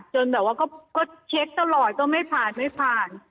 แบบว่าก็เช็คตลอดก็ไม่ผ่านไม่ผ่าน